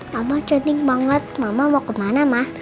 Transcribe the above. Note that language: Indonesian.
mama jatuh banget mama mau kemana ma